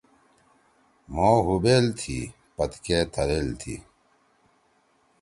مھو ہُوبیل تھی، پتکے تھلیل تھی